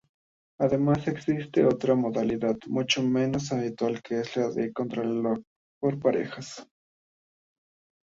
Además existe otra modalidad, mucho menos habitual, que es la contrarreloj por parejas.